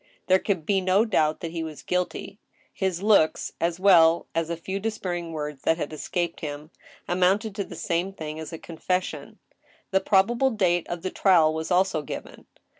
There could be no doubt that he was guilty. His looks, as well as a few despairing words that had escaped him, amounted to the san^e thing as a confession. The probable date of the trial was also given.